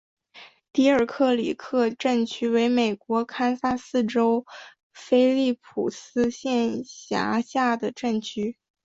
迪尔克里克镇区为美国堪萨斯州菲利普斯县辖下的镇区。